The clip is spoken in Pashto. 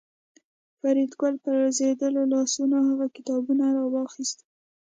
فریدګل په لړزېدلو لاسونو هغه کتابونه راواخیستل